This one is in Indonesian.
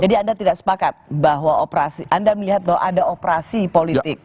jadi anda tidak sepakat bahwa operasi anda melihat bahwa ada operasi politik